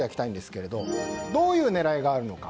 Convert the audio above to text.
どういう狙いがあるのか。